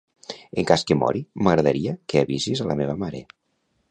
En cas que mori, m'agradaria que avisis a la meva mare.